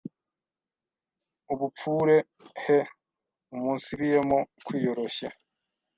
ubupfure heumunsibiyemo kwiyoroshye,